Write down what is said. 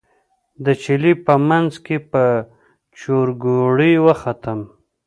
د چلې منځ کې په چورګوړي وختم.